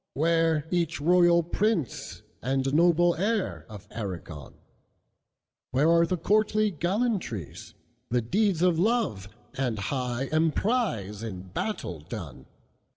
WhereEach royal prince and noble heirOf Aragon? Where are the courtly gallantries? The deeds of love and high emprise, In battle done?